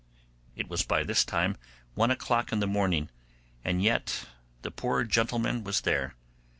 It was by this time one o'clock in the morning, and yet the poor gentleman was there.